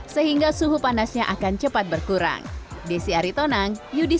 sehingga suhu panasnya akan cepat berkurang